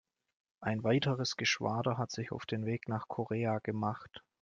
Ein weiteres Geschwader hat sich auf den Weg nach Korea gemacht.